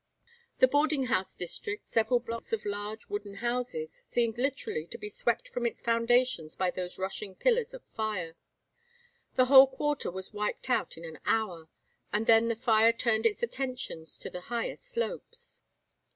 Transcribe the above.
The boarding house district, several blocks of large wooden houses, seemed literally to be swept from its foundations by those rushing pillars of fire. The whole quarter was wiped out in an hour, and then the fire turned its attention to the higher slopes.